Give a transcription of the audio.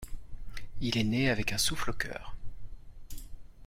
Il est né avec un souffle au cœur.